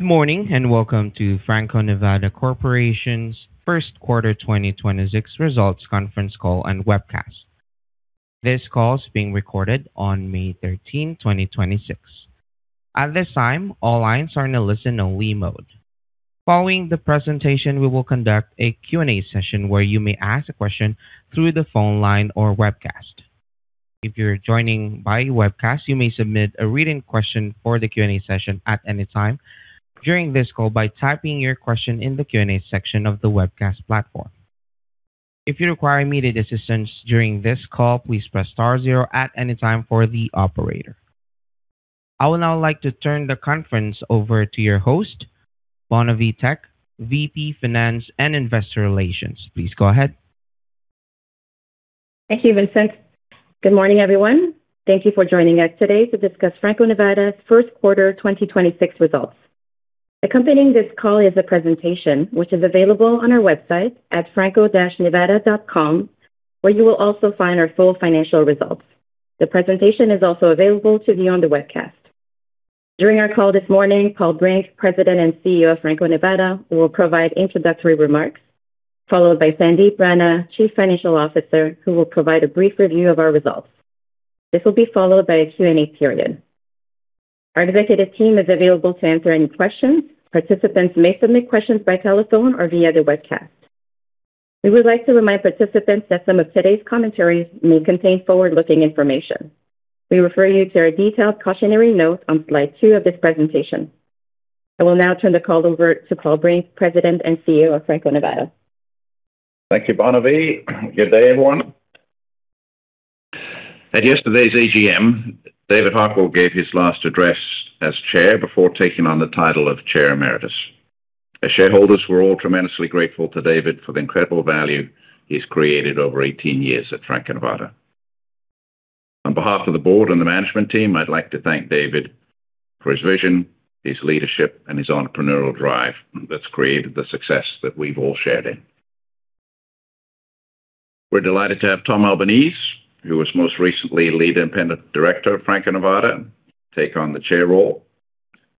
Good morning. Welcome to Franco-Nevada Corporation's first quarter 2026 results conference call and webcast. This call is being recorded on May 13, 2026. At this time, all lines are in a listen-only mode. Following the presentation, we will conduct a Q&A session where you may ask a question through the phone line or webcast. If you're joining by webcast, you may submit a read-in question for the Q&A session at any time during this call by typing your question in the Q&A section of the webcast platform. If you require immediate assistance during this call, please press star zero at any time for the operator. I would now like to turn the conference over to your host, Bonavie Tek, VP, Finance and Investor Relations. Please go ahead. Thank you, Vincent. Good morning, everyone. Thank you for joining us today to discuss Franco-Nevada's first quarter 2026 results. Accompanying this call is a presentation which is available on our website at franco-nevada.com, where you will also find our full financial results. The presentation is also available to view on the webcast. During our call this morning, Paul Brink, President and CEO of Franco-Nevada, will provide introductory remarks, followed by Sandip Rana, Chief Financial Officer, who will provide a brief review of our results. This will be followed by a Q&A period. Our executive team is available to answer any questions. Participants may submit questions by telephone or via the webcast. We would like to remind participants that some of today's commentaries may contain forward-looking information. We refer you to our detailed cautionary note on slide two of this presentation. I will now turn the call over to Paul Brink, President and CEO of Franco-Nevada. Thank you, Bonavie. Good day, everyone. At yesterday's AGM, David Harquail gave his last address as Chair before taking on the title of Chair Emeritus. As shareholders, we're all tremendously grateful to David for the incredible value he's created over 18 years at Franco-Nevada. On behalf of the Board and the management team, I'd like to thank David for his vision, his leadership, and his entrepreneurial drive that's created the success that we've all shared in. We're delighted to have Tom Albanese, who was most recently lead Independent Director of Franco-Nevada, take on the Chair role.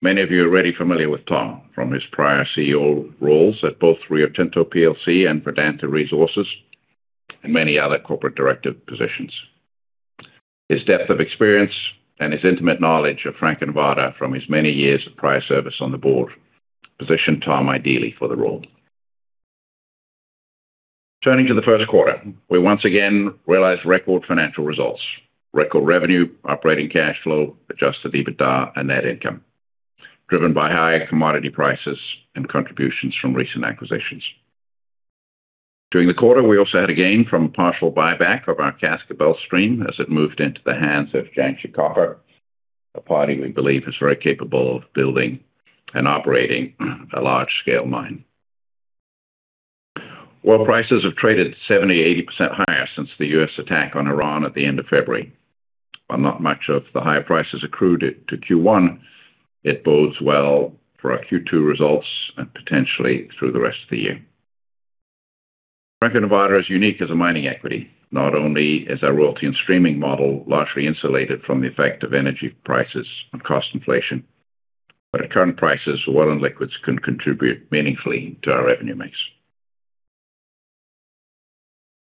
Many of you are already familiar with Tom from his prior CEO roles at both Rio Tinto plc and Vedanta Resources, and many other corporate directive positions. His depth of experience and his intimate knowledge of Franco-Nevada from his many years of prior service on the Board position Tom ideally for the role. Turning to the first quarter, we once again realized record financial results. Record revenue, operating cash flow, adjusted EBITDA, and net income, driven by higher commodity prices and contributions from recent acquisitions. During the quarter, we also had a gain from partial buyback of our Cascabel stream as it moved into the hands of Jiangxi Copper, a party we believe is very capable of building and operating a large-scale mine. Oil prices have traded 70%-80% higher since the U.S. attack on Iran at the end of February. While not much of the higher prices accrued to Q1, it bodes well for our Q2 results and potentially through the rest of the year. Franco-Nevada is unique as a mining equity. Not only is our royalty and streaming model largely insulated from the effect of energy prices and cost inflation, but at current prices, oil and liquids can contribute meaningfully to our revenue mix.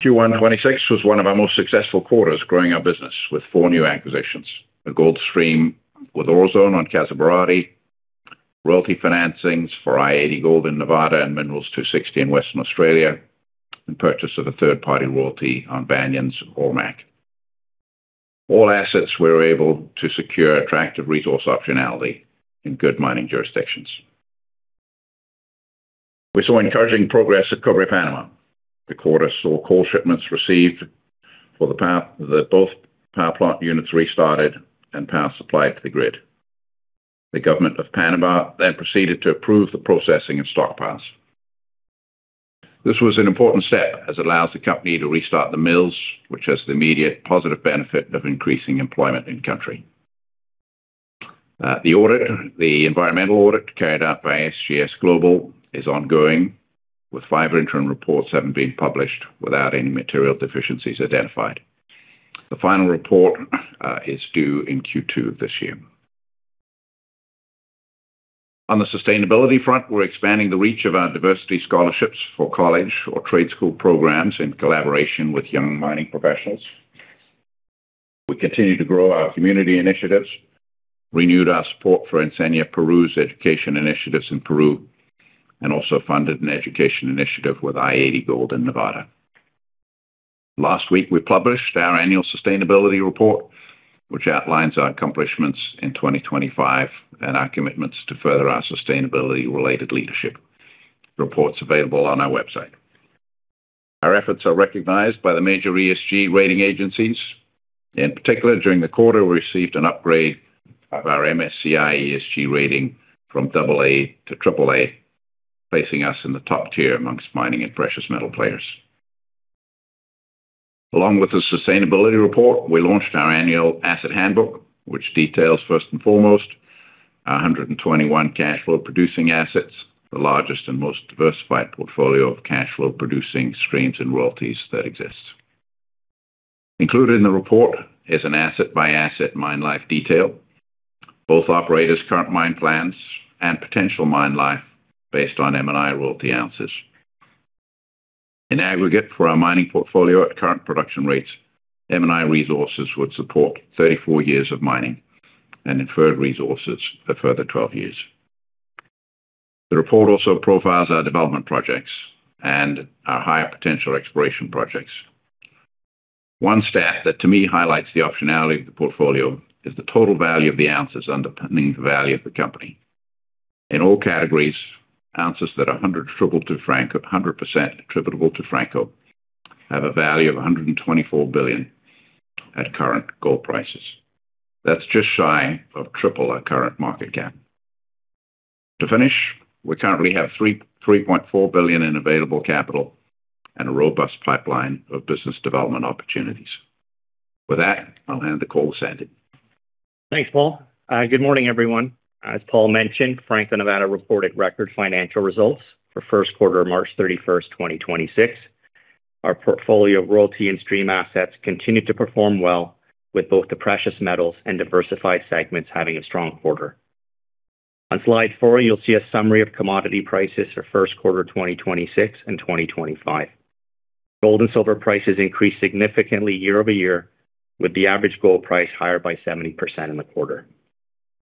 Q1 2026 was one of our most successful quarters, growing our business with four new acquisitions: a gold stream with Orezone on Casa Berardi, royalty financings for i-80 Gold in Nevada and Minerals 260 in Western Australia, and purchase of a third-party royalty on Banyan's AurMac. All assets were able to secure attractive resource optionality in good mining jurisdictions. We saw encouraging progress at Cobre Panamá. The quarter saw coal shipments received that both power plant units restarted and power supplied to the grid. The government of Panama proceeded to approve the processing of stockpiles. This was an important step as it allows the company to restart the mills, which has the immediate positive benefit of increasing employment in country. The audit, the environmental audit carried out by SGS Global is ongoing, with five interim reports having been published without any material deficiencies identified. The final report is due in Q2 this year. On the sustainability front, we're expanding the reach of our diversity scholarships for college or trade school programs in collaboration with Young Mining Professionals. We continue to grow our community initiatives, renewed our support for Enseña Perú's education initiatives in Peru, and also funded an education initiative with i-80 Gold in Nevada. Last week, we published our annual sustainability report, which outlines our accomplishments in 2025 and our commitments to further our sustainability-related leadership. Report's available on our website. Our efforts are recognized by the major ESG rating agencies. In particular, during the quarter, we received an upgrade of our MSCI ESG rating from AA to AAA, placing us in the top tier amongst mining and precious metal players. Along with the sustainability report, we launched our annual asset handbook, which details first and foremost our 121 cash flow producing assets, the largest and most diversified portfolio of cash flow producing streams and royalties that exists. Included in the report is an asset-by-asset mine life detail, both operators' current mine plans and potential mine life based on M&I royalty ounces. In aggregate for our mining portfolio at current production rates, M&I resources would support 34 years of mining and inferred resources a further 12 years. The report also profiles our development projects and our higher potential exploration projects. One stat that to me highlights the optionality of the portfolio is the total value of the ounces underpinning the value of the company. In all categories, ounces that are 100% attributable to Franco have a value of $124 billion at current gold prices. That's just shy of triple our current market cap. To finish, we currently have $3.4 billion in available capital and a robust pipeline of business development opportunities. With that, I'll hand the call to Sandip. Thanks, Paul. Good morning, everyone. As Paul mentioned, Franco-Nevada reported record financial results for first quarter, March 31st, 2026. Our portfolio of royalty and stream assets continued to perform well with both the precious metals and diversified segments having a strong quarter. On slide four, you'll see a summary of commodity prices for first quarter 2026 and 2025. Gold and silver prices increased significantly year-over-year, with the average gold price higher by 70% in the quarter.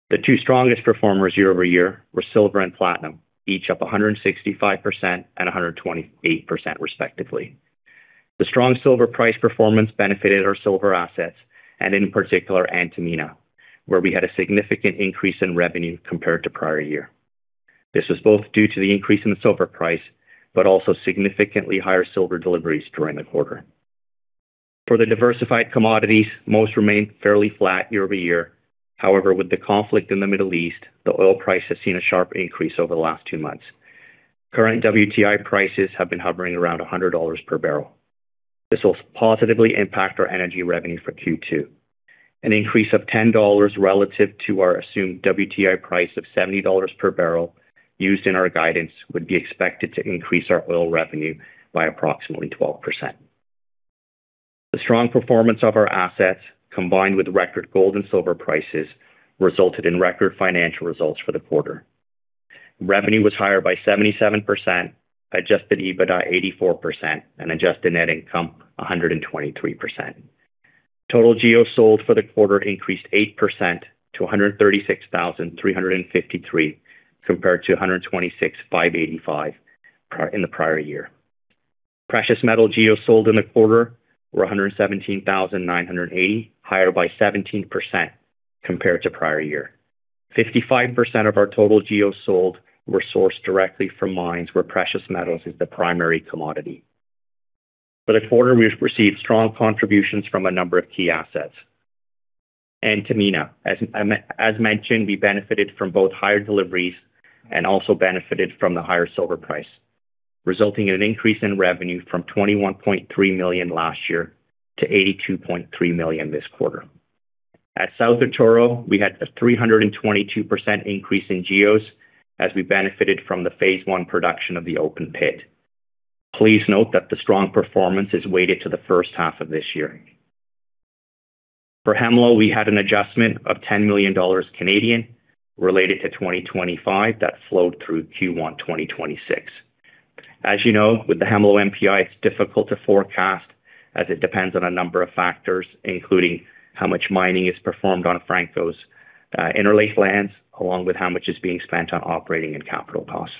The two strongest performers year-over-year were silver and platinum, each up 165% and 128% respectively. The strong silver price performance benefited our silver assets and in particular Antamina, where we had a significant increase in revenue compared to prior year. This was both due to the increase in the silver price, but also significantly higher silver deliveries during the quarter. For the diversified commodities, most remained fairly flat year-over-year. With the conflict in the Middle East, the oil price has seen a sharp increase over the last two months. Current WTI prices have been hovering around $100 per bbl. This will positively impact our energy revenue for Q2. An increase of $10 relative to our assumed WTI price of $70 per bbl used in our guidance would be expected to increase our oil revenue by approximately 12%. The strong performance of our assets, combined with record gold and silver prices, resulted in record financial results for the quarter. Revenue was higher by 77%, adjusted EBITDA 84%, and adjusted net income 123%. Total GEO sold for the quarter increased 8% to 136,353 GEOs, compared to 126,585 GEOs in the prior year. Precious metal GEOs sold in the quarter were 117,980 GEOs, higher by 17% compared to prior year. 55% of our total GEOs sold were sourced directly from mines where precious metals is the primary commodity. For the quarter, we've received strong contributions from a number of key assets. Antamina, as mentioned, we benefited from both higher deliveries and also benefited from the higher silver price, resulting in an increase in revenue from $21.3 million last year to $82.3 million this quarter. At South Arturo, we had a 322% increase in GEOs as we benefited from the phase I production of the open pit. Please note that the strong performance is weighted to the first half of this year. For Hemlo, we had an adjustment of 10 million Canadian dollars related to 2025 that flowed through Q1 2026. As you know, with the Hemlo NPI, it's difficult to forecast as it depends on a number of factors, including how much mining is performed on Franco's interlaced lands, along with how much is being spent on operating and capital costs.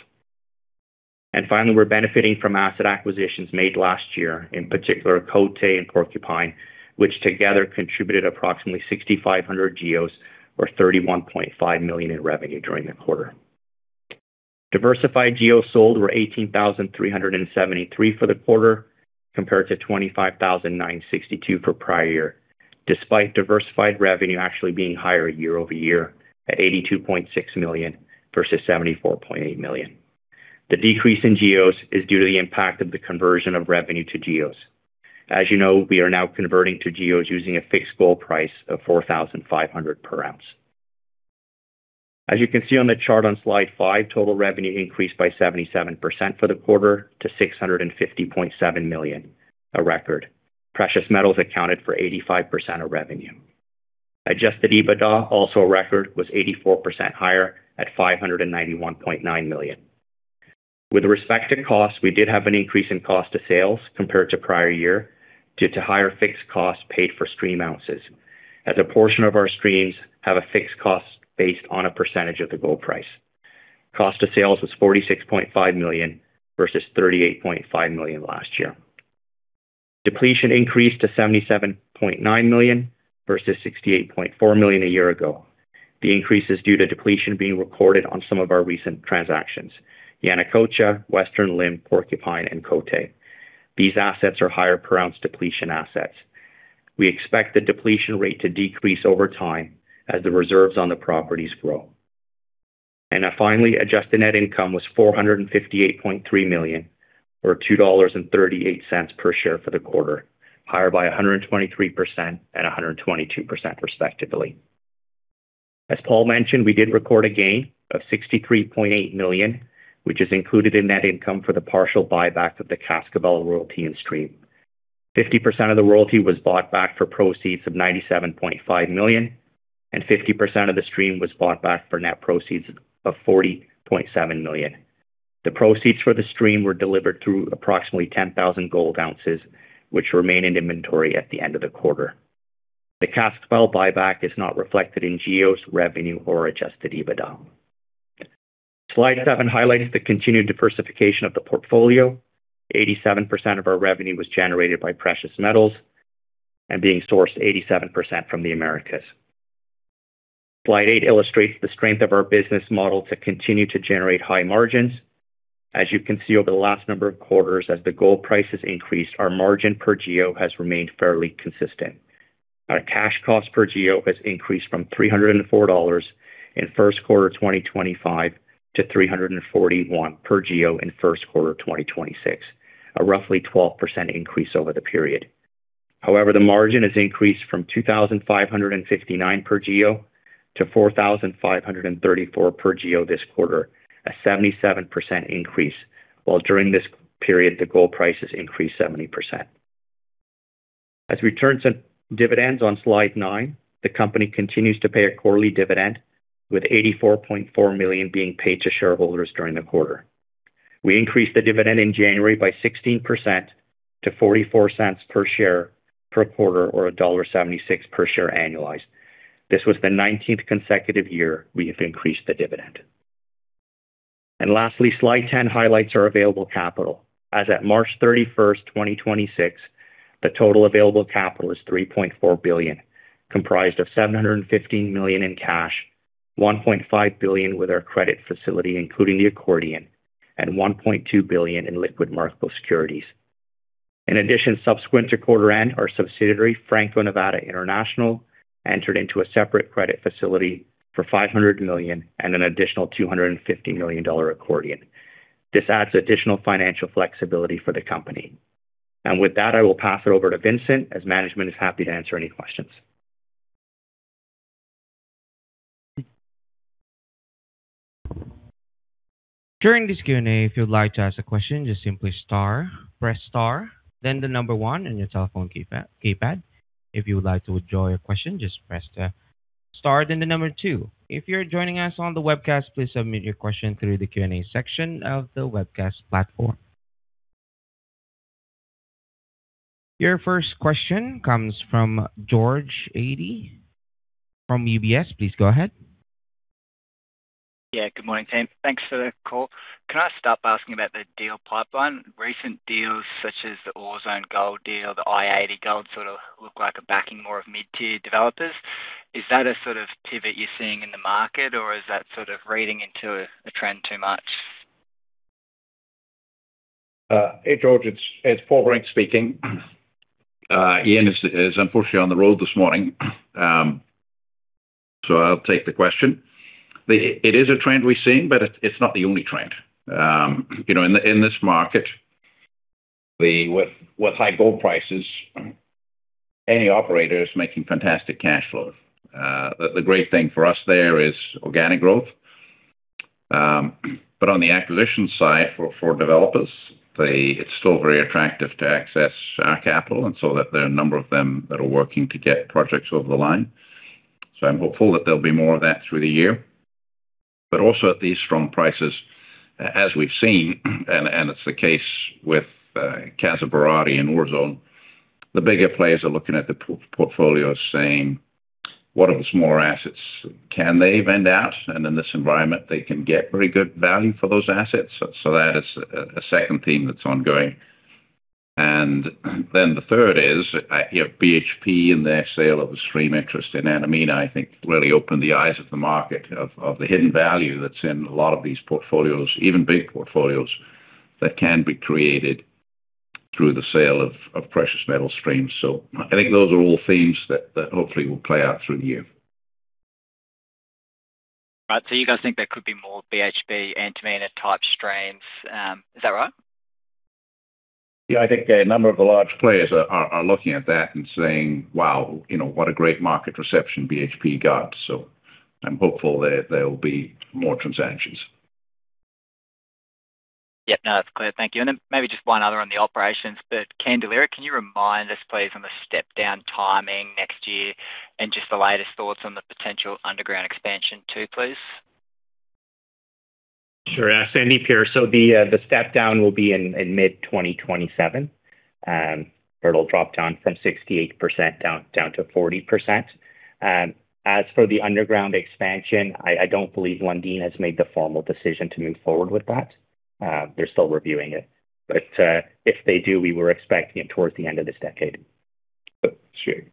Finally, we're benefiting from asset acquisitions made last year, in particular Côté and Porcupine, which together contributed approximately 6,500 GEOs or $31.5 million in revenue during the quarter. Diversified GEOs sold were 18,373 GEOs for the quarter, compared to 25,962 GEOs for prior year, despite diversified revenue actually being higher year-over-year at $82.6 million versus $74.8 million. The decrease in GEOs is due to the impact of the conversion of revenue to GEOs. As you know, we are now converting to GEOs using a fixed gold price of $4,500 per oz. As you can see on the chart on slide five, total revenue increased by 77% for the quarter to $650.7 million, a record. Precious metals accounted for 85% of revenue. Adjusted EBITDA, also a record, was 84% higher at $591.9 million. With respect to cost, we did have an increase in cost of sales compared to prior year due to higher fixed costs paid for stream ounces, as a portion of our streams have a fixed cost based on a percentage of the gold price. Cost of sales was $46.5 million versus $38.5 million last year. Depletion increased to $77.9 million versus $68.4 million a year ago. The increase is due to depletion being recorded on some of our recent transactions, Yanacocha, Western Limb, Porcupine, and Côté. These assets are higher per ounce depletion assets. We expect the depletion rate to decrease over time as the reserves on the properties grow. Finally, adjusted net income was $458.3 million or $2.38 per share for the quarter, higher by 123% and 122% respectively. As Paul mentioned, we did record a gain of $63.8 million, which is included in net income for the partial buyback of the Cascabel royalty and stream. 50% of the royalty was bought back for proceeds of $97.5 million, and 50% of the stream was bought back for net proceeds of $40.7 million. The proceeds for the stream were delivered through approximately 10,000 gold oz, which remain in inventory at the end of the quarter. The Cascabel buyback is not reflected in GEOs revenue or adjusted EBITDA. Slide seven highlights the continued diversification of the portfolio. 87% of our revenue was generated by precious metals and being sourced 87% from the Americas. Slide eight illustrates the strength of our business model to continue to generate high margins. As you can see over the last number of quarters, as the gold prices increased, our margin per GEO has remained fairly consistent. Our cash cost per GEO has increased from $304 in first quarter 2025 to $341 per GEO in first quarter 2026, a roughly 12% increase over the period. However, the margin has increased from $2,559 per GEO to $4,534 per GEO this quarter, a 77% increase, while during this period the gold prices increased 70%. As returns on dividends on slide nine, the company continues to pay a quarterly dividend, with $84.4 million being paid to shareholders during the quarter. We increased the dividend in January by 16% to $0.44 per share per quarter, or $1.76 per share annualized. This was the 19th consecutive year we have increased the dividend. Lastly, slide 10 highlights our available capital. As at March 31st, 2026, the total available capital is $3.4 billion, comprised of $715 million in cash, $1.5 billion with our credit facility, including the accordion, and $1.2 billion in liquid marketable securities. In addition, subsequent to quarter end, our subsidiary, Franco-Nevada International Corporation, entered into a separate credit facility for $500 million and an additional $250 million accordion. This adds additional financial flexibility for the company. With that, I will pass it over to Vincent, as management is happy to answer any questions. During this Q&A, if you'd like to ask a question, just simply press star then the number one on your telephone keypad. If you would like to withdraw your question, just press star then the number two. If you're joining us on the webcast, please submit your question through the Q&A section of the webcast platform. Your first question comes from George Eadie from UBS. Please go ahead. Yeah, good morning, team. Thanks for the call. Can I start by asking about the deal pipeline? Recent deals such as the Orezone Gold deal, the i-80 Gold sort of look like a backing more of mid-tier developers. Is that a sort of pivot you're seeing in the market, or is that sort of reading into a trend too much? Hey, George. It's Paul Brink speaking. Ian is unfortunately on the road this morning, I'll take the question. It is a trend we're seeing, it's not the only trend. You know, in this market with high gold prices, any operator is making fantastic cash flow. The great thing for us there is organic growth. On the acquisition side for developers, it's still very attractive to access our capital and so that there are a number of them that are working to get projects over the line. I'm hopeful that there'll be more of that through the year. Also at these strong prices, as we've seen, and it's the case with Casa Berardi and Orezone, the bigger players are looking at the portfolio saying, "What are the smaller assets can they vend out?" In this environment, they can get very good value for those assets. That is a second theme that's ongoing. The third is, you know, BHP and their sale of the stream interest in Antamina, I think really opened the eyes of the market of the hidden value that's in a lot of these portfolios. Even big portfolios, that can be created through the sale of precious metal streams. I think those are all themes that hopefully will play out through the year. Right. You guys think there could be more BHP, Antamina type streams. Is that right? Yeah, I think a number of the large players are looking at that and saying, "Wow, you know, what a great market reception BHP got." I'm hopeful there will be more transactions. Yeah. No, that's clear. Thank you. Maybe just one other on the operations, that Candelaria. Can you remind us, please, on the step-down timing next year and just the latest thoughts on the potential underground expansion too, please? Sure. Yeah. Sandip here. The step down will be in mid-2027, where it'll drop down from 68% down to 40%. As for the underground expansion, I don't believe Lundin has made the formal decision to move forward with that. They're still reviewing it. If they do, we were expecting it towards the end of this decade. Sure.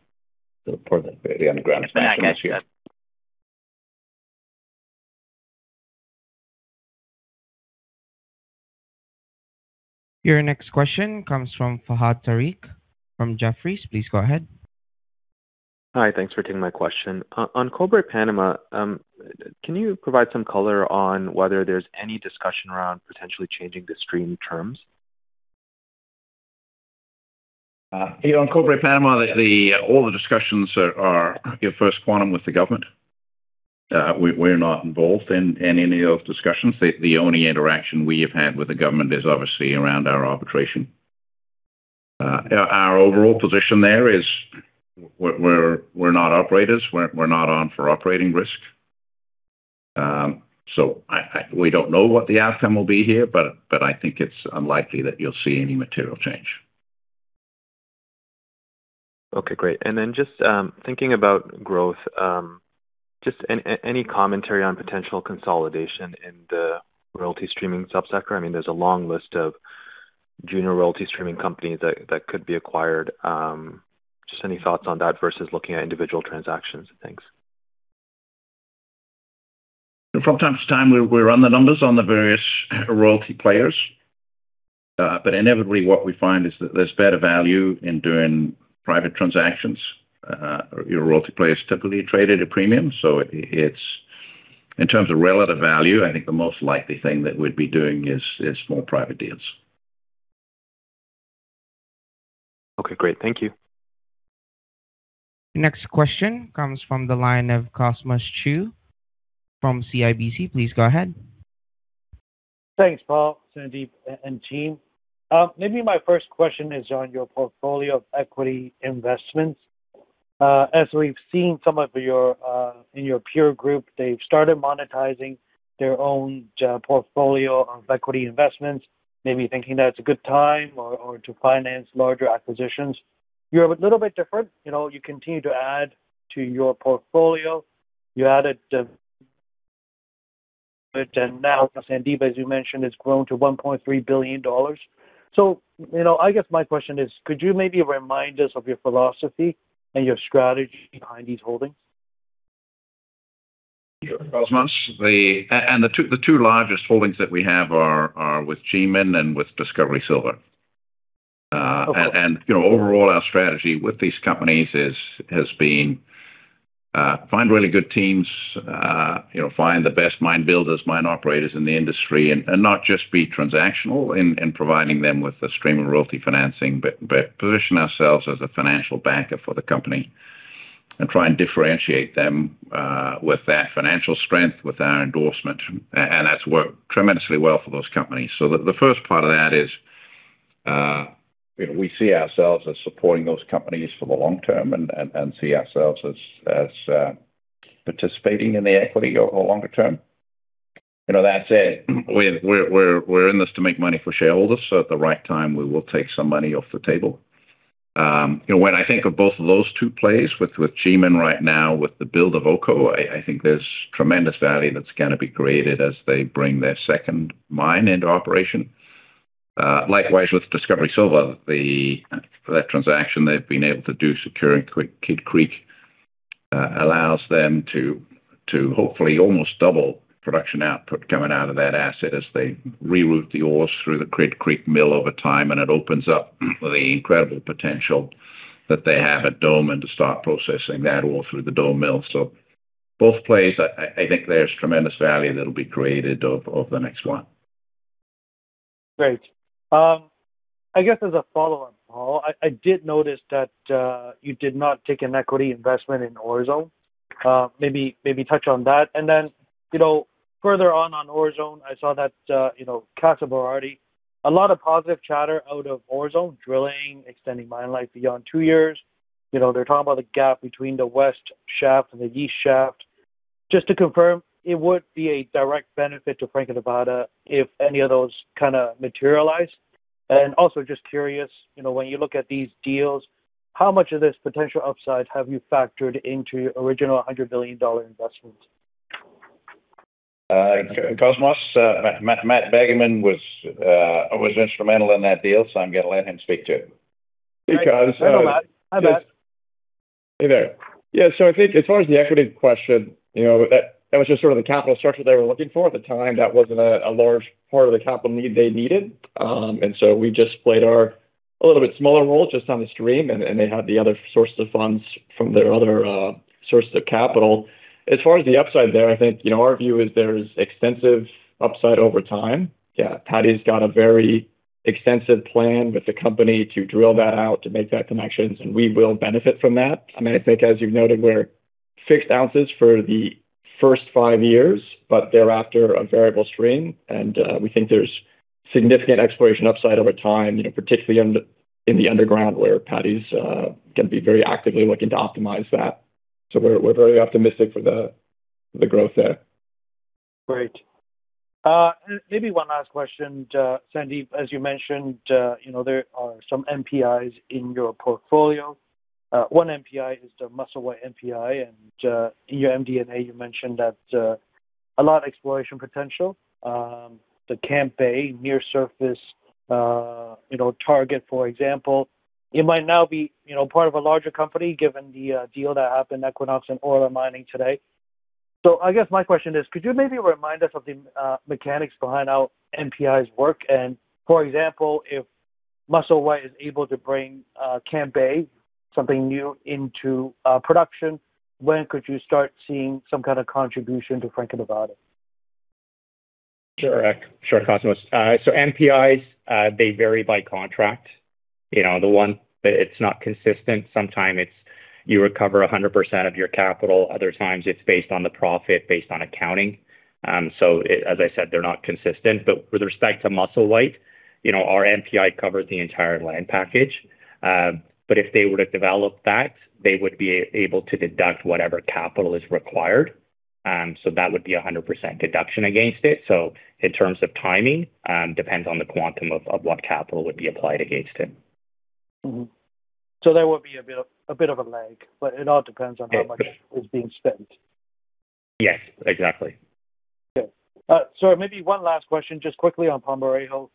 For the underground expansion. Yeah, I guess so. Your next question comes from Fahad Tariq from Jefferies. Please go ahead. Hi, thanks for taking my question. On Cobre Panamá, can you provide some color on whether there's any discussion around potentially changing the stream terms? You know, in Cobre Panamá, all the discussions are, you know, First Quantum with the government. We're not involved in any of those discussions. The only interaction we have had with the government is obviously around our arbitration. Our overall position there is we're not operators. We're not on for operating risk. We don't know what the outcome will be here, but I think it's unlikely that you'll see any material change. Okay, great. Just thinking about growth, any commentary on potential consolidation in the royalty streaming sub-sector? I mean, there's a long list of junior royalty streaming companies that could be acquired. Just any thoughts on that versus looking at individual transactions? Thanks. From time to time, we run the numbers on the various royalty players. Inevitably what we find is that there's better value in doing private transactions. You know, royalty players typically trade at a premium, so it's in terms of relative value, I think the most likely thing that we'd be doing is more private deals. Okay, great. Thank you. Next question comes from the line of Cosmos Chiu from CIBC. Please go ahead. Thanks, Paul, Sandip, and team. Maybe my first question is on your portfolio of equity investments. As we've seen some of your in your peer group, they've started monetizing their own portfolio of equity investments. Maybe thinking that it's a good time or to finance larger acquisitions. You're a little bit different. You know, you continue to add to your portfolio. You added... Now Sandip, as you mentioned, has grown to $1.3 billion. You know, I guess my question is, could you maybe remind us of your philosophy and your strategy behind these holdings? Sure, Cosmos. The two largest holdings that we have are with GMIN and with Discovery Silver. You know, overall, our strategy with these companies has been find really good teams. You know, find the best mine builders, mine operators in the industry, and not just be transactional in providing them with a stream of royalty financing, but position ourselves as a financial backer for the company and try and differentiate them with that financial strength with our endorsement. That's worked tremendously well for those companies. The first part of that is, you know, we see ourselves as supporting those companies for the long term and see ourselves as participating in the equity over longer term. You know, that said, we're in this to make money for shareholders. At the right time we will take some money off the table. You know, when I think of both of those two plays with GMIN right now with the build of Oko, I think there's tremendous value that's gonna be created as they bring their second mine into operation. Likewise with Discovery Silver. For that transaction, they've been able to do securing Kidd Creek, allows them to hopefully almost double production output coming out of that asset as they reroute the ores through the Kidd Creek mill over time, and it opens up the incredible potential that they have at Dome and to start processing that all through the Dome mill. Both plays, I think there's tremendous value that'll be created over the next one. Great. I guess as a follow-up, Paul, I did notice that you did not take an equity investment in Orezone. Maybe touch on that. You know, further on Orezone. I saw that, you know, Casa Berardi. A lot of positive chatter out of Orezone drilling, extending mine life beyond two years. You know, they're talking about the gap between the west shaft and the east shaft. Just to confirm, it would be a direct benefit to Franco-Nevada if any of those kinda materialize. Just curious, you know, when you look at these deals, how much of this potential upside have you factored into your original $100 billion investment? Cosmos, Matt Begeman was instrumental in that deal, so I'm gonna let him speak to it. Hey, guys. Hi, Matt. Hi, Matt. Hey, there. I think as far as the equity question, you know, that was just sort of the capital structure they were looking for at the time. That wasn't a large part of the capital need they needed. We just played a little bit smaller role just on the stream, and they had the other sources of funds from their other sources of capital. As far as the upside there, I think, you know, our view is there's extensive upside over time. Paddy's got a very extensive plan with the company to drill that out, to make that connections, and we will benefit from that. I mean, I think as you've noted, we're fixed ounces for the first five years, but thereafter, a variable stream. We think there's significant exploration upside over time, you know, particularly in the underground where Patty's gonna be very actively looking to optimize that. We're very optimistic for the growth there. Great. Maybe one last question. Sandip, as you mentioned, you know, there are some NPIs in your portfolio. One NPI is the Musselwhite NPI. In your MD&A, you mentioned that a lot of exploration potential. The Camp Bay near surface, you know, target, for example. You might now be, you know, part of a larger company given the deal that happened, Equinox and Orla Mining today. I guess my question is, could you maybe remind us of the mechanics behind how NPIs work? For example, if Musselwhite is able to bring Camp Bay, something new into production. When could you start seeing some kind of contribution to Franco-Nevada? Sure, Cosmos. NPIs, they vary by contract. You know, it's not consistent. Sometimes, it's, you recover 100% of your capital. Other times it's based on the profit, based on accounting. As I said, they're not consistent. With respect to Musselwhite, you know, our NPI covers the entire land package. If they were to develop that, they would be able to deduct whatever capital is required. That would be a 100% deduction against it. In terms of timing, depends on the quantum of what capital would be applied against it. There would be a bit of a lag, but it all depends on how much is being spent? Yes, exactly. Yeah. Maybe one last question. Just quickly on Palmarejo.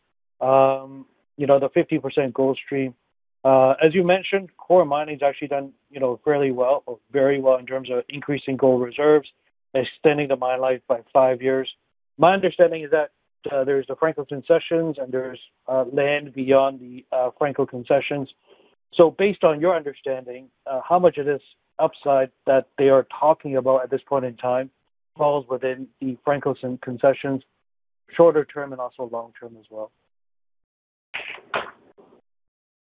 You know, the 50% gold stream. As you mentioned, Coeur Mining has actually done, you know, fairly well or very well in terms of increasing gold reserves, extending the mine life by five years. My understanding is that there's the Franco concessions, and there's land beyond the Franco concessions. Based on your understanding, how much of this upside that they are talking about at this point in time falls within the Franco concessions shorter term and also long term as well?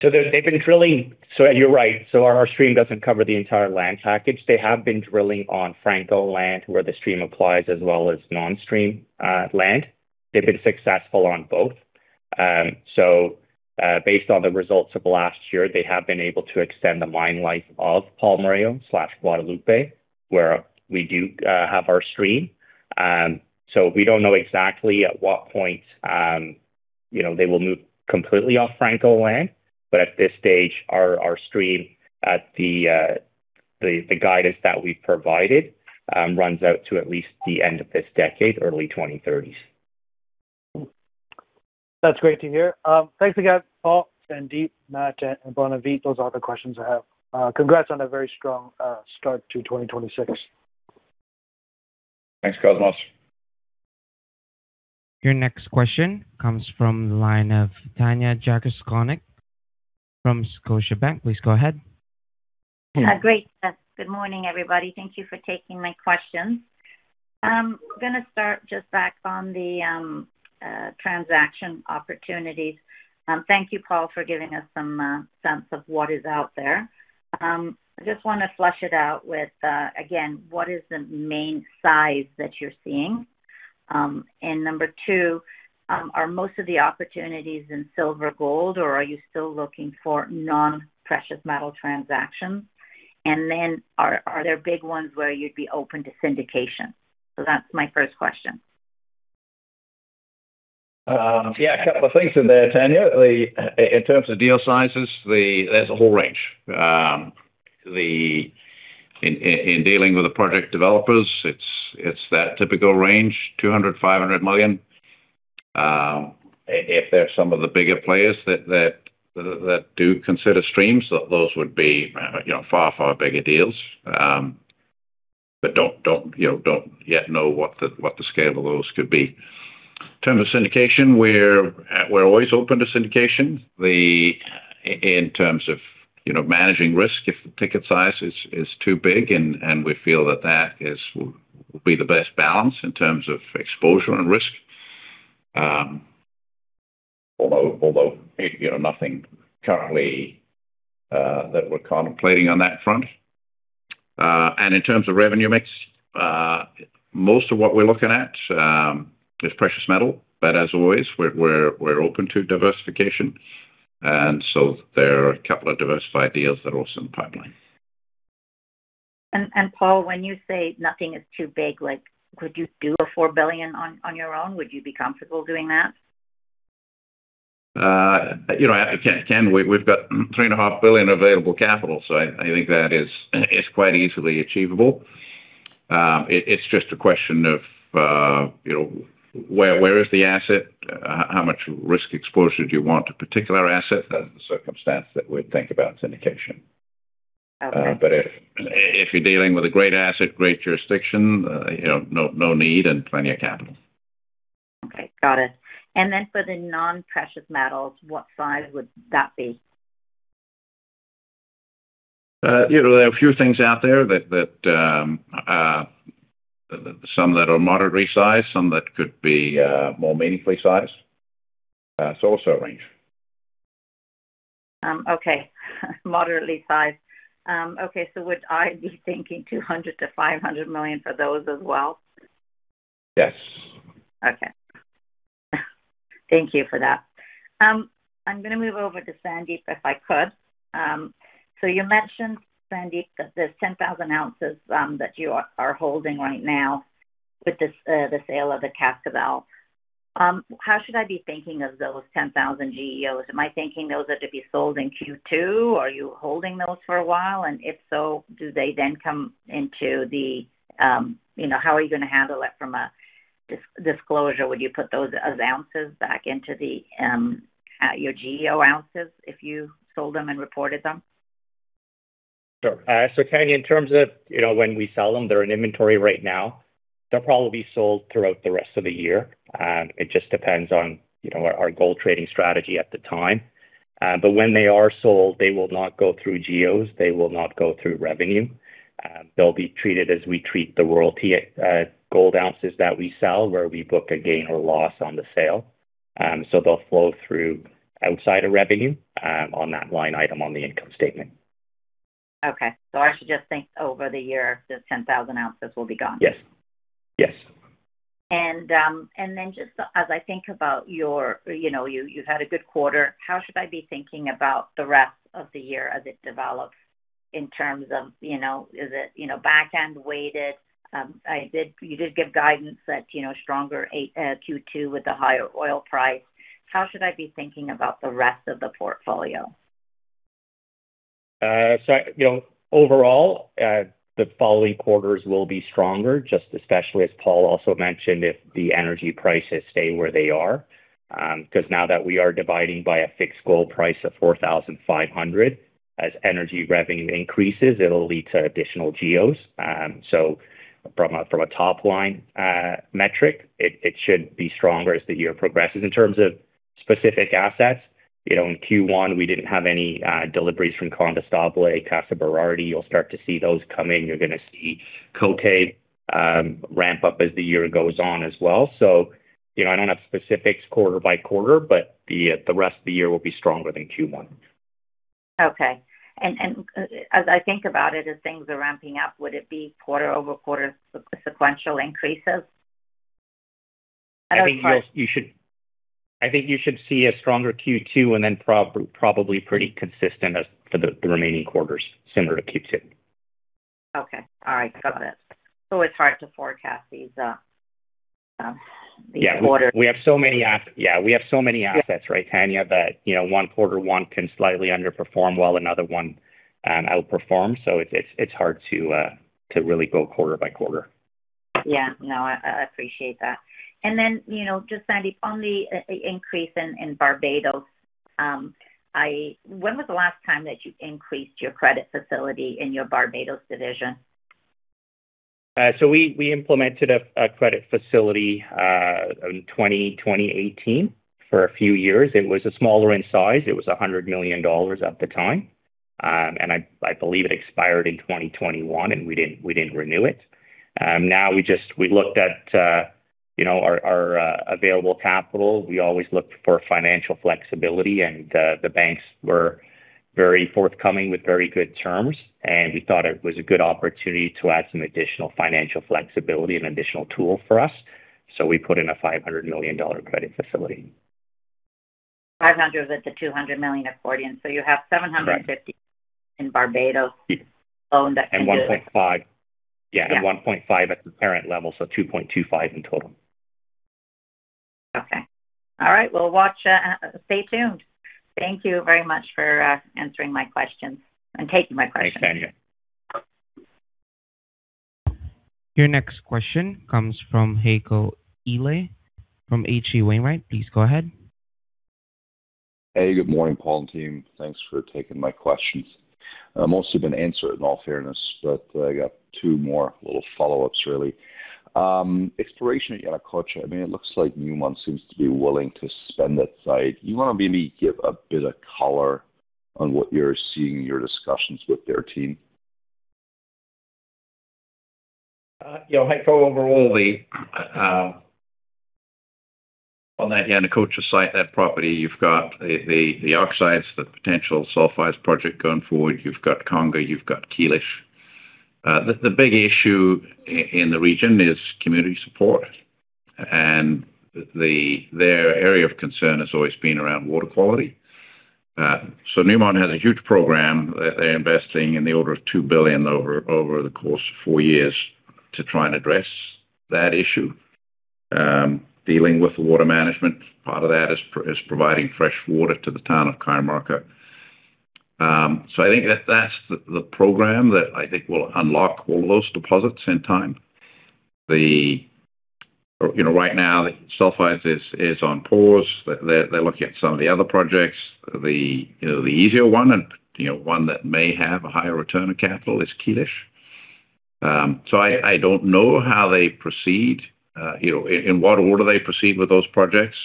They've been drilling. You're right. Our stream doesn't cover the entire land package. They have been drilling on Franco land where the stream applies, as well as non-stream land. They've been successful on both. Based on the results of last year, they have been able to extend the mine life of Palmarejo/Guadalupe, where we do have our stream. We don't know exactly at what point, you know, they will move completely off Franco land. At this stage, our stream at the guidance that we've provided runs out to at least the end of this decade, early 2030s. That's great to hear. Thanks again, Paul, Sandip, Matt, and Bonavie. Those are all the questions I have. Congrats on a very strong start to 2026. Thanks, Cosmos. Your next question comes from the line of Tanya Jakusconek from Scotiabank. Please go ahead. Great. Good morning, everybody. Thank you for taking my questions. I'm gonna start just back on the transaction opportunities. Thank you, Paul, for giving us some sense of what is out there. I just wanna flush it out with again, what is the main size that you're seeing? Number two, are most of the opportunities in silver gold, or are you still looking for non-precious metal transactions? Then are there big ones where you'd be open to syndication? That's my first question. Yeah. A couple of things in there, Tanya. In terms of deal sizes, there's a whole range. In dealing with the project developers, it's that typical range. $200 million-$500 million. If there are some of the bigger players that do consider streams, those would be, you know, far, far bigger deals. Don't, you know, don't yet know what the scale of those could be. In terms of syndication, we're always open to syndication. In terms of, you know, managing risk, if the ticket size is too big and we feel that will be the best balance in terms of exposure and risk. Although, you know, nothing currently that we're contemplating on that front. In terms of revenue mix, most of what we're looking at is precious metal, but as always, we're open to diversification. There are a couple of diversified deals that are also in the pipeline. Paul, when you say nothing is too big, like, could you do a $4 billion on your own? Would you be comfortable doing that? You know, we've got $3.5 billion available capital. I think that is quite easily achievable. It's just a question of, you know, where is the asset? How much risk exposure do you want a particular asset? That's the circumstance that we'd think about syndication. Okay. If you're dealing with a great asset, great jurisdiction, you know, no need and plenty of capital. Okay. Got it. Then for the non-precious metals, what size would that be? You know, there are a few things out there that some that are moderately sized. Some that could be more meaningfully sized. Also a range. Okay. Moderately-sized. Okay. Would I be thinking $200 million-$500 million for those as well? Yes. Okay. Thank you for that. I'm gonna move over to Sandip, if I could. You mentioned, Sandip, that there's 10,000 oz that you are holding right now with this, the sale of the Cascabel. How should I be thinking of those 10,000 GEOs? Am I thinking those are to be sold in Q2? Are you holding those for a while? If so, do they then come into the, you know, how are you gonna handle it from a disclosure? Would you put those as ounces back into the, your GEO ounces if you sold them and reported them? Sure. Tanya, in terms of, you know, when we sell them, they're in inventory right now. They'll probably be sold throughout the rest of the year. It just depends on, you know, our gold trading strategy at the time. When they are sold, they will not go through GEOs. They will not go through revenue. They'll be treated as we treat the royalty gold ounces that we sell, where we book a gain or loss on the sale. They'll flow through outside of revenue, on that line item on the income statement. Okay. I should just think over the year, those 10,000 oz will be gone? Yes. Yes. Then, just as I think about you know, you had a good quarter. How should I be thinking about the rest of the year as it develops in terms of, you know, is it back-end weighted? You did give guidance that, you know, stronger Q2 with the higher oil price. How should I be thinking about the rest of the portfolio? You know, overall, the following quarters will be stronger. Just especially as Paul also mentioned, if the energy prices stay where they are. Now that we are dividing by a fixed gold price of $4,500, as energy revenue increases, it'll lead to additional GEOs. From a top-line metric, it should be stronger as the year progresses. In terms of specific assets, you know, in Q1, we didn't have any deliveries from Condestable, Casa Berardi. You'll start to see those come in. You're gonna see Côté ramp up as the year goes on as well. You know, I don't have specifics quarter-by-quarter, but the rest of the year will be stronger than Q1. Okay. As I think about it, as things are ramping up, would it be quarter-over-quarter sequential increases? At what price? I think you should see a stronger Q2 and then probably pretty consistent as for the remaining quarters similar to Q2. Okay. All right. Got it. It's hard to forecast these quarters. We have so many assets, right, Tanya? That, you know, one quarter, one can slightly underperform while another one outperforms. It's hard to really go quarter-by-quarter. Yeah. No, I appreciate that. You know, just Sandip, on the increase in Barbados, when was the last time that you increased your credit facility in your Barbados division? We implemented a credit facility in 2018 for a few years. It was a smaller in size. It was $100 million at the time. I believe it expired in 2021, and we didn't renew it. Now we looked at, you know, our available capital. We always look for financial flexibility and the banks were very forthcoming with very good terms, and we thought it was a good opportunity to add some additional financial flexibility and additional tool for us. We put in a $500 million credit facility. $500 million with the $200 million accordion. You have $750 million- Right.... in Barbados- Yeah. Loan that can do- $1.5 billion. Yeah. Yeah. $1.5 billion at the parent level, so $2.25 billion in total. Okay. All right. We'll watch, stay tuned. Thank you very much for answering my questions and taking my questions. Thanks, Tanya. Your next question comes from Heiko Ihle from H.C. Wainwright. Please go ahead. Hey, good morning, Paul and team. Thanks for taking my questions. Most have been answered in all fairness, but I got two more little follow-ups really. Exploration at Yanacocha. I mean, it looks like Newmont seems to be willing to spend at site. You wanna maybe give a bit of color on what you're seeing in your discussions with their team? You know, Heiko, overall. On that Yanacocha site, that property, you've got the oxides, the potential sulfides project going forward. You've got Conga. You've got Quilish. The big issue in the region is community support. Their area of concern has always been around water quality. Newmont has a huge program. They're investing in the order of $2 billion over the course of four years to try and address that issue. Dealing with water management, part of that is providing fresh water to the town of Cajamarca. I think that's the program that I think will unlock all those deposits in time. You know, right now, the sulfides is on pause. They're looking at some of the other projects. The, you know, the easier one and, you know, one that may have a higher return on capital is Quilish. I don't know how they proceed, you know, in what order they proceed with those projects.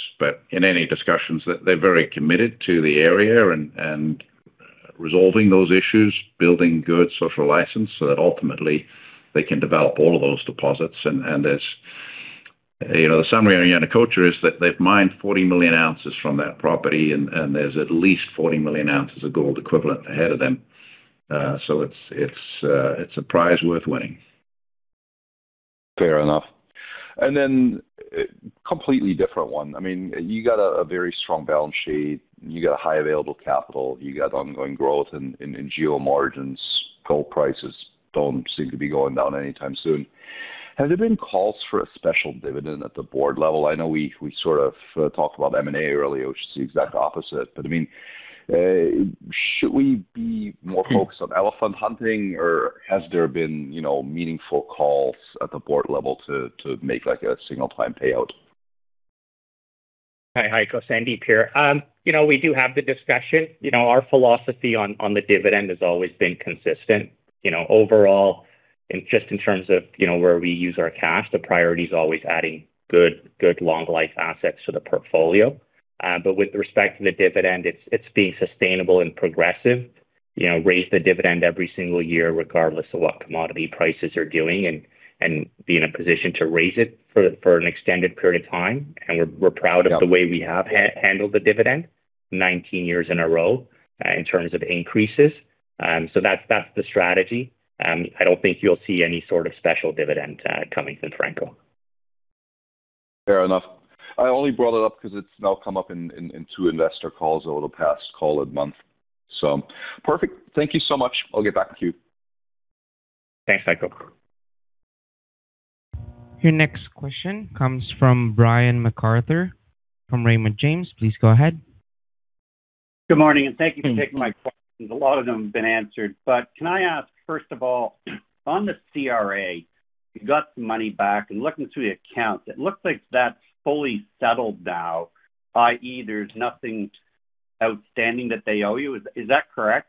In any discussions, they're very committed to the area and resolving those issues, building good social license so that ultimately they can develop all of those deposits. There's, you know, the summary on Yanacocha is that they've mined 40 million oz from that property and there's at least 40 million GEO ahead of them. It's, it's a prize worth winning. Fair enough. A completely different one. I mean, you got a very strong balance sheet. You got a high available capital. You got ongoing growth in GEO margins. Gold prices don't seem to be going down anytime soon. Has there been calls for a special dividend at the Board level? I know we sort of talked about M&A earlier, which is the exact opposite. I mean, should we be more focused on elephant hunting, or has there been, you know, meaningful calls at the Board level to make like a single-time payout? Hi, Heiko. Sandip here. You know, we do have the discussion. You know, our philosophy on the dividend has always been consistent. You know, overall, and just in terms of, you know, where we use our cash, the priority is always adding good long life assets to the portfolio. With respect to the dividend, it's being sustainable and progressive. You know, raise the dividend every single year regardless of what commodity prices are doing and be in a position to raise it for an extended period of time. We're proud of the way we have handled the dividend, 19 years in a row in terms of increases. That's the strategy. I don't think you'll see any sort of special dividend coming from Franco. Fair enough. I only brought it up because it's now come up in two investor calls over the past call a month. Perfect. Thank you so much. I'll get back to you. Thanks, Heiko. Your next question comes from Brian MacArthur from Raymond James. Please go ahead. Good morning. Thank you for taking my questions. A lot of them have been answered. Can I ask, first of all, on the CRA, you got money back. Looking through the accounts, it looks like that is fully settled now, i.e., there is nothing outstanding that they owe you. Is that correct?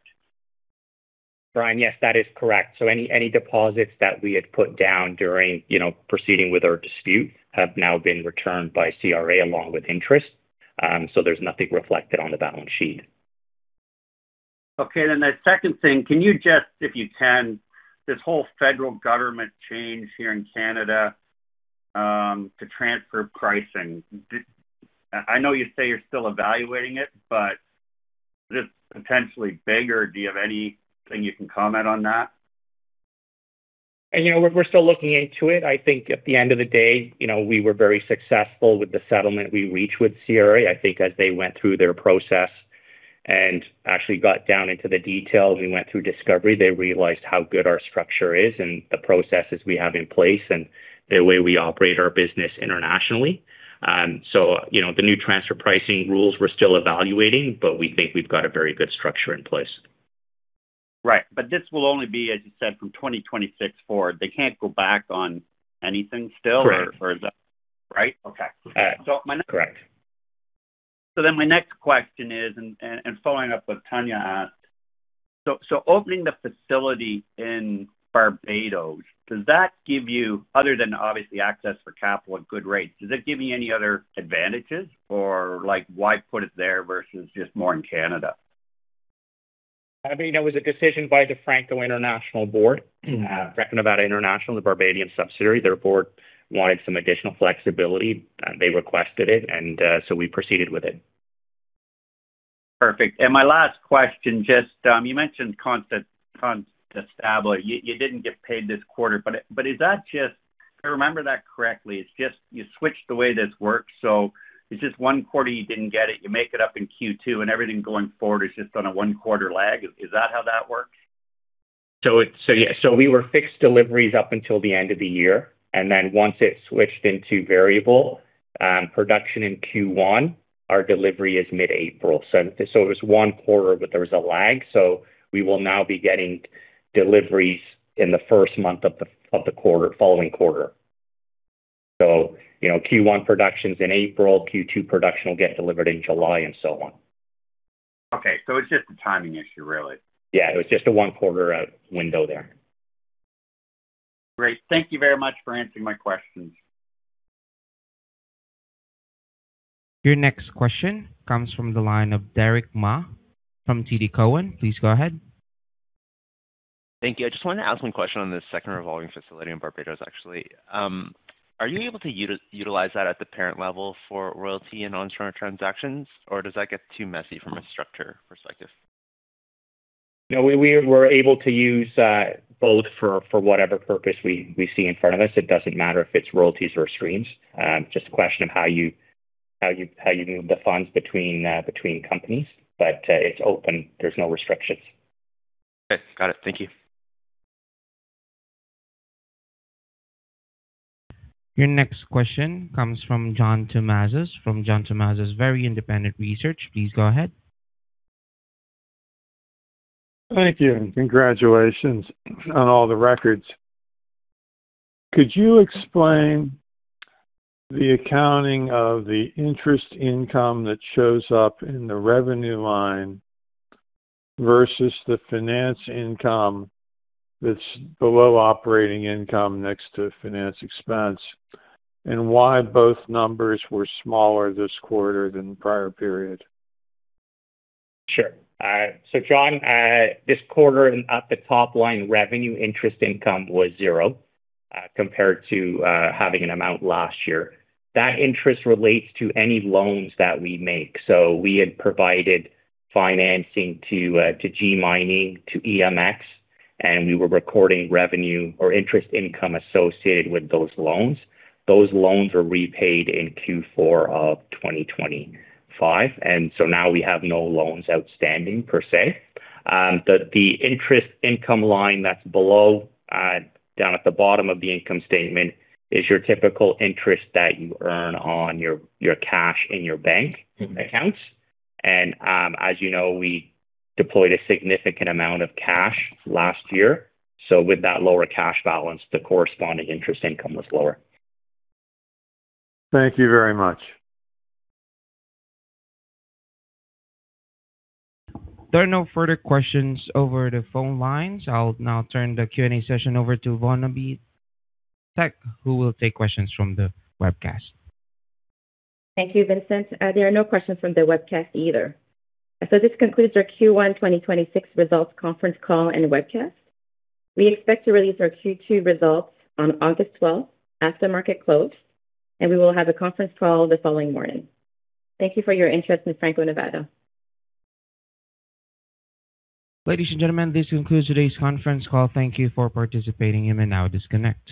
Brian, yes, that is correct. Any deposits that we had put down during, you know, proceeding with our dispute have now been returned by CRA along with interest. There's nothing reflected on the balance sheet. Okay. The second thing, can you just, if you can, this whole federal government change here in Canada, to transfer pricing. I know you say you're still evaluating it, but is this potentially bigger? Do you have anything you can comment on that? You know, we're still looking into it. I think at the end of the day, you know, we were very successful with the settlement we reached with CRA. I think as they went through their process and actually got down into the details, we went through discovery. They realized how good our structure is and the processes we have in place, and the way we operate our business internationally. You know, the new transfer pricing rules we're still evaluating, but we think we've got a very good structure in place. Right. This will only be, as you said, from 2026 forward. They can't go back on anything still. Correct. Is that right? Okay. Correct. My next question is and following up what Tanya asked. Opening the facility in Barbados, does that give you, other than obviously access for capital at good rates, does it give you any other advantages? Or like, why put it there versus just more in Canada? I mean, it was a decision by the Franco International Board. Franco-Nevada International, the Barbadian subsidiary. Their Board wanted some additional flexibility. They requested it, and so we proceeded with it. Perfect. My last question, just, you mentioned Condestable. You didn't get paid this quarter, but is that just, if I remember that correctly, it's just you switched the way this works. It's just one quarter you didn't get it. You make it up in Q2. Everything going forward is just on a one-quarter lag. Is that how that works? It's, yeah. We were fixed deliveries up until the end of the year. Once it switched into variable production in Q1, our delivery is mid-April. It was one quarter, but there was a lag. We will now be getting deliveries in the first month of the quarter, following quarter. You know, Q1 production's in April. Q2 production will get delivered in July, and so on. Okay. It's just a timing issue, really. Yeah. It was just a one-quarter window there. Great. Thank you very much for answering my questions. Your next question comes from the line of Derick Ma from TD Cowen. Please go ahead. Thank you. I just wanted to ask one question on the second revolving facility in Barbados, actually. Are you able to utilize that at the parent level for royalty and onshore transactions, or does that get too messy from a structure perspective? No, we were able to use both for whatever purpose we see in front of us. It doesn't matter if it's royalties or streams. Just a question of how you move the funds between companies. It's open. There's no restrictions. Okay. Got it. Thank you. Your next question comes from John Tumazos from John Tumazos Very Independent Research. Please go ahead. Thank you. Congratulations on all the records. Could you explain the accounting of the interest income that shows up in the revenue line versus the finance income that's below operating income next to finance expense? Why both numbers were smaller this quarter than the prior period? Sure. John, this quarter at the top-line revenue interest income was $0 compared to having an amount last year. That interest relates to any loans that we make. We had provided financing to G Mining, to EMX, and we were recording revenue or interest income associated with those loans. Those loans were repaid in Q4 of 2025. Now, we have no loans outstanding per se. The interest income line that's below, down at the bottom of the income statement, is your typical interest that you earn on your cash in your bank accounts. As you know, we deployed a significant amount of cash last year. With that lower cash balance, the corresponding interest income was lower. Thank you very much. There are no further questions over the phone lines. I'll now turn the Q&A session over to Bonavie Tek, who will take questions from the webcast. Thank you, Vincent. There are no questions from the webcast either. This concludes our Q1 2026 results conference call and webcast. We expect to release our Q2 results on August 12, at the market close, and we will have a conference call the following morning. Thank you for your interest in Franco-Nevada. Ladies and gentlemen, this concludes today's conference call. Thank you for participating, and you may now disconnect.